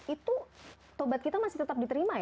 itu tobat kita masih tetap diterima ya